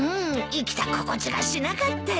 生きた心地がしなかったよ。